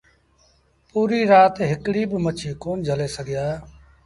پوريٚ رآت هڪڙيٚ با مڇيٚ ڪون جھلي سگھيآ۔